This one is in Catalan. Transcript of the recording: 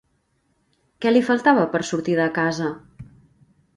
Què li faltava per sortir de casa?